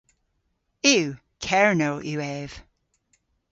Yw. Kernow yw ev.